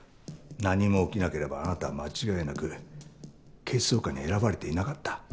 何も起きなければあなたは間違いなく警視総監に選ばれていなかった。